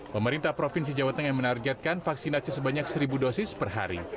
pemerintah provinsi jawa tengah menargetkan vaksinasi sebanyak seribu dosis per hari